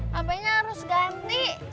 hpnya harus ganti